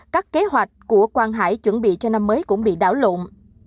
các kế hoạch của quang hải chuẩn bị cho năm mới cũng bị đảo lộn